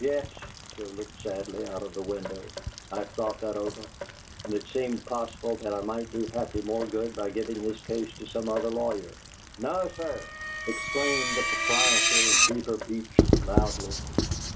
"Yes." Joe looked sadly out of the window. "I've thought that over, and it seemed possible that I might do Happy more good by giving his case to some other lawyer." "No, sir!" exclaimed the proprietor of Beaver Beach, loudly.